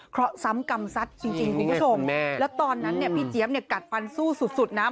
เขาซ้ำกำซัดจริงทุกคนสมแล้วตอนนั้นพี่เจี๊ยบกัดฟันสู้สุดนะ